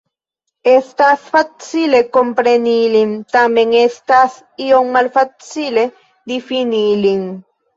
Estas facile kompreni ilin, tamen estas iom malfacile difini ilin.